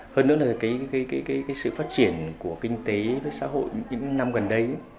hơn nữa là sự phát triển của kinh tế xã hội những năm gần đây